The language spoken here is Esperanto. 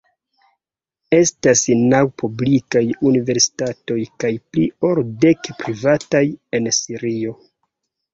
Estas naŭ publikaj universitatoj kaj pli ol dek privataj en Sirio.